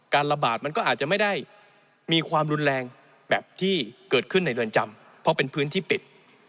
ระบาดมันก็อาจจะไม่ได้มีความรุนแรงแบบที่เกิดขึ้นในเรือนจำเพราะเป็นพื้นที่ปิด